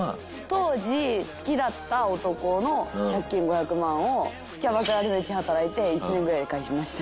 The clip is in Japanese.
当時好きだった男の借金５００万をキャバクラでめっちゃ働いて１年ぐらいで返しました。